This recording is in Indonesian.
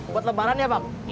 buat lembaran ya bang